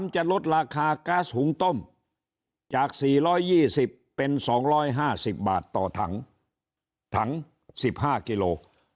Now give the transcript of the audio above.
จะลดราคาก๊าซหุงต้มจาก๔๒๐เป็น๒๕๐บาทต่อถังถัง๑๕กิโล